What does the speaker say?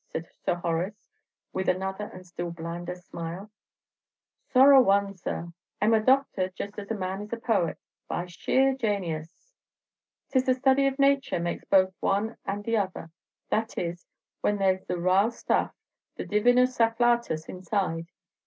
said Sir Horace, with another and still blander smile. "Sorra one, sir! I 'm a doctor just as a man is a poet, by sheer janius! 'T is the study of nature makes both one and the other; that is, when there's the raal stuff, the divinus afflatus, inside.